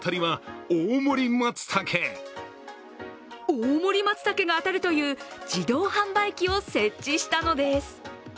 大盛り松茸が当たるという自動販売機を設置したのです。